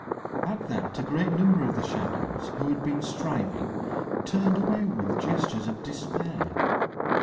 At that a great number of the shadows who had been striving turned away with gestures of despair.